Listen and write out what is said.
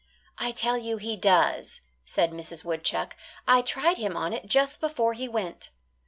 "I tell you he does," said Mrs. Woodchuck; "I tried him on it just before he went."